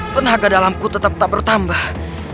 tenaga dalamku tetap tak bertambah